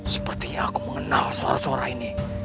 sepertinya aku mengenal suara suara ini